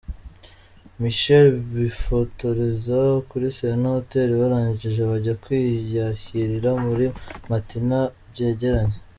Michelle, bifotoreza kuri Serena Hotel barangije bajya kwiyakirira muri Mattina byegeranye.